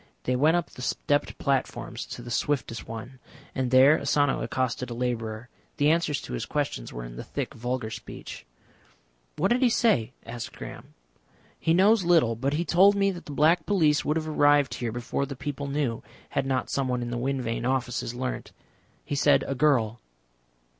They went up the stepped platforms to the swiftest one, and there Asano accosted a labourer. The answers to his questions were in the thick, vulgar speech. "What did he say?" asked Graham. "He knows little, but he told me that the Black Police would have arrived here before the people knew had not someone in the Wind Vane Offices learnt. He said a girl."